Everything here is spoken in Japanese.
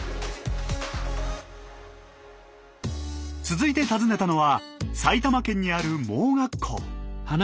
続いて訪ねたのは埼玉県にある盲学校。